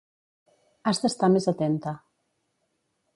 Has d'estar més atenta.